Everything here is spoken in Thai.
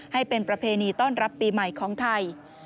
ให้เป็นประเพณีต้อนรับปีใหม่ของไทย